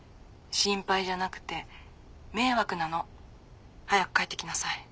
心配じゃなくて迷惑なの。早く帰ってきなさい。